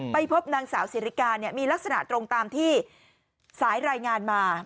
ไปพบนางสาวสิริกาเนี่ยมีลักษณะตรงตามที่สายรายงานมา